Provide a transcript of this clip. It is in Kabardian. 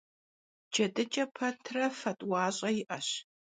Cedıç'e petre fe t'uaş'e yi'eş.